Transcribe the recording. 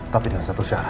tapi dengan satu syarat